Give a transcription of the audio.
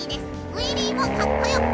ウイリーもかっこよく！